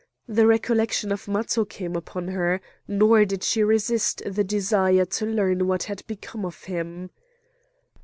The recollection of Matho came upon her, nor did she resist the desire to learn what had become of him.